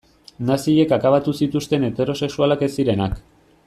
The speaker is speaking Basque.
Naziek akabatu zituzten heterosexualak ez zirenak.